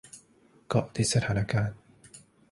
เกาะติดสถานการณ์